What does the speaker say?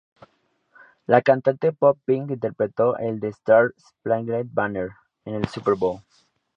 La cantante pop Pink interpretó el "The Star-Spangled Banner" en el Super Bowl.